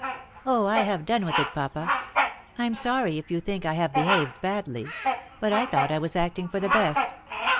"Oh, I have done with it, papa. I'm sorry if you think I have behaved badly; but I thought I was acting for the best.